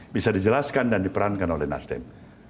bisa dijelaskan dan diperankan oleh nasdem